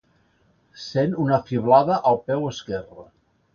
Sent una fiblada al peu esquerre.